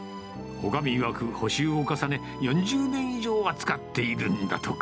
おかみいわく、補修を重ね、４０年以上は使っているんだとか。